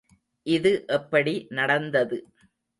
இது எப்படி நடந்தது.